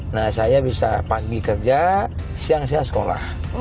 nah saya bisa pagi kerja siang saya sekolah